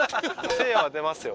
「誠也は出ますよ」